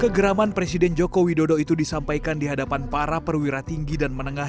kegeraman presiden joko widodo itu disampaikan di hadapan para perwira tinggi dan menengah